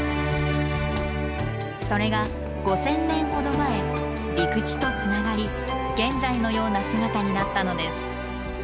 それが５，０００年ほど前陸地とつながり現在のような姿になったのです。